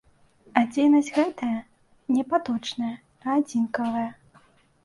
А дзейнасць гэтая не паточная, а адзінкавая.